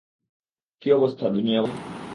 কী অবস্থা, দুনিয়াবাসী?